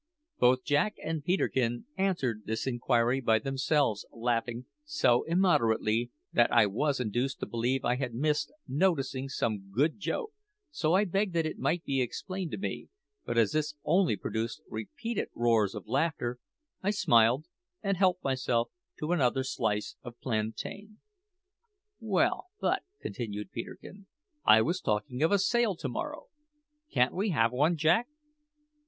Both Jack and Peterkin answered this inquiry by themselves laughing so immoderately that I was induced to believe I had missed noticing some good joke, so I begged that it might be explained to me; but as this only produced repeated roars of laughter, I smiled and helped myself to another slice of plantain. "Well, but," continued Peterkin, "I was talking of a sail to morrow. Can't we have one, Jack?"